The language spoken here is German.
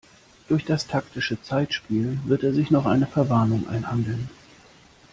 Durch das taktische Zeitspiel wird er sich noch eine Verwarnung einhandeln.